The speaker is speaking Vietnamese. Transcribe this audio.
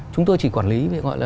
chúng tôi chỉ quản lý